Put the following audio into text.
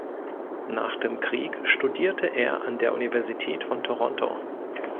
Nach dem Krieg studierte er an der Universität von Toronto.